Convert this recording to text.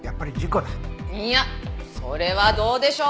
いやそれはどうでしょう？